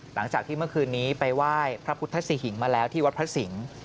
หลังจากที่เมื่อคืนนี้ไปไหว้พระพุทธสิหิงมาแล้วที่วัดพระสิงศ์